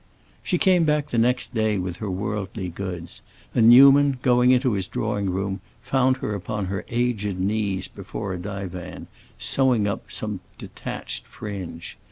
She came back the next day with her worldly goods, and Newman, going into his drawing room, found her upon her aged knees before a divan, sewing up some detached fringe.